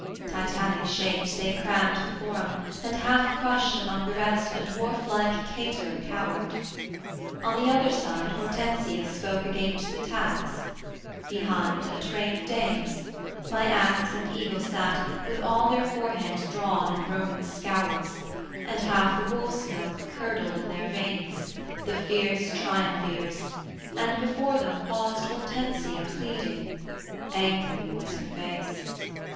Titanic shapes, they crammed The forum, and half crushed among the rest A dwarf like Cato cowered. On the other side Hortensia spoke against the tax; behind, A train of dames: by axe and eagle sat, With all their foreheads drawn in Roman scowls, And half the wolf's milk curdled in their veins, The fierce triumvirs; and before them paused Hortensia pleading: angry was her face.